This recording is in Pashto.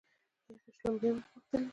یخې شلومبې مو غوښتلې.